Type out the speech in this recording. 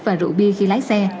và rượu bia khi lái xe